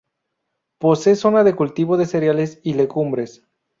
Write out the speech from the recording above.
Posee zona de cultivo de cereales y legumbres.